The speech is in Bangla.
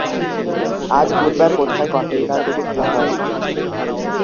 আজ বুধবার কোথায় কনটেইনার দুটি খোলা হয়?